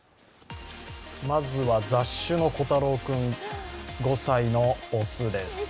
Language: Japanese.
まずは雑種のコタロウ君５歳のオスです。